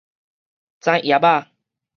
指葉仔